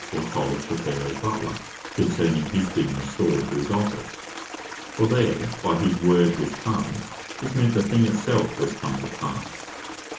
13.) foretold to Pharaohs Butler, concerning his being restored to his office: for there by His Word Was Come, is meant, the thing it self was come to passe.